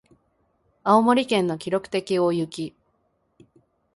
青森県の記録的大雪